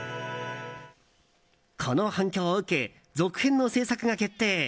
この反響を受け続編の制作が決定。